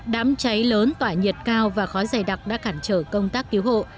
đám cháy lớn tỏa nhiệt cao và khói dày đặc đã cản trở công tác cứu hộ